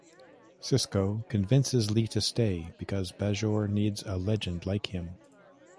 Sisko convinces Li to stay, because Bajor needs a legend like him.